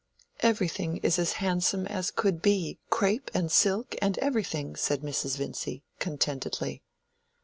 "Everything is as handsome as could be, crape and silk and everything," said Mrs. Vincy, contentedly.